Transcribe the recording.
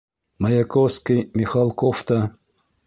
Маяковский, Михалков та...